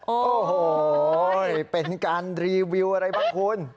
โอ้โหเป็นการรีวิวอะไรบ้างคุณ